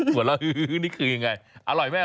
มีออกแล้วนี่คืออย่างไรอร่อยไหม